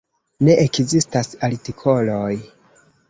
Ne ekzistas artikoloj.